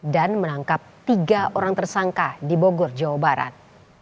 dan menangkap tiga orang tersangka di bogor jawa barat